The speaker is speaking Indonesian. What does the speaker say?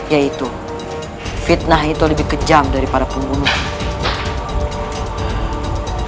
yaitu fitnah itu lebih kejam daripada pembunuh